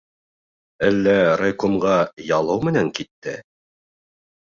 Әллә райкомға ялыу менән китте?